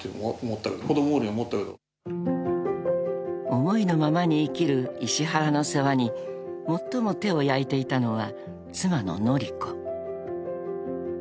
［思いのままに生きる石原の世話に最も手を焼いていたのは妻の典子］